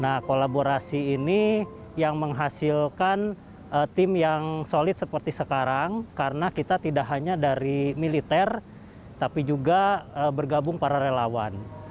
nah kolaborasi ini yang menghasilkan tim yang solid seperti sekarang karena kita tidak hanya dari militer tapi juga bergabung para relawan